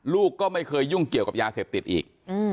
ลูกก็ไม่เคยยุ่งเกี่ยวกับยาเสพติดอีก